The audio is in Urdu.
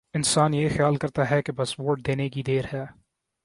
انسان یہ خیال کرتا ہے کہ بس ووٹ دینے کی دیر ہے۔